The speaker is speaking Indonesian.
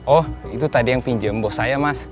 oh itu tadi yang pinjam bos saya mas